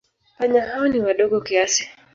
Panya hao ni wadogo kiasi.